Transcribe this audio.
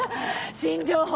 新情報。